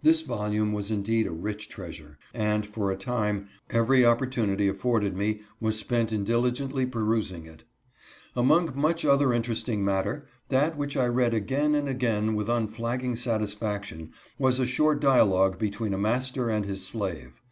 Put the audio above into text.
This volume was indeed a rich treasure, and, for a time, every opportunity afforded me was spent in diligently perusing it. Among muchjother interesting^matter, thatx which I read again and again with unflagging satisfaction ) wasji short dialogue between a master and his slave.